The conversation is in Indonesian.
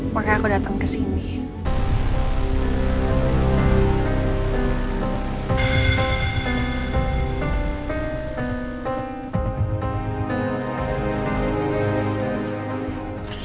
makanya aku datang ke sini